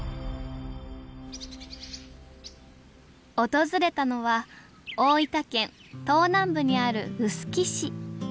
訪れたのは大分県東南部にある臼杵市。